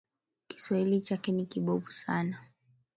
Kiswahili chake ni kibovu sana